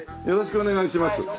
よろしくお願いします。